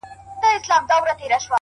o ورځيني ليري گرځــم ليــري گــرځــــم،